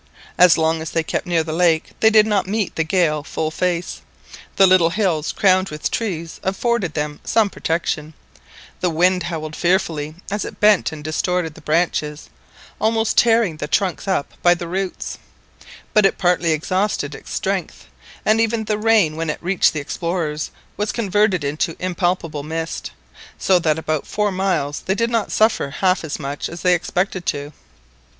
As long as they kept near the lake they did not meet the gale full face, the little hills crowned with trees afforded them some protection, the wind howled fearfully as it bent and distorted the branches, almost tearing the trunks up by the roots; but it partly exhausted its strength, and even the rain when it reached the explorers was converted into impalpable mist, so that for about four miles they did not suffer half as much as they expected to.